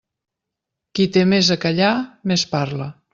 Qui té més a callar més parla.